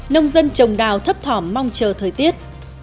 nông dân trồng đào thấp thỏm mong chờ thời tiết